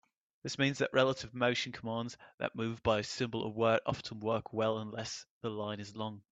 This means that relative motion commands that move by a symbol or word often work well unless the line is long.